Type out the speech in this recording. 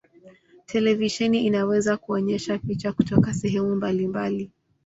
Televisheni inaweza kuonyesha picha kutoka sehemu mbalimbali.